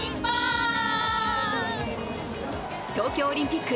東京オリンピック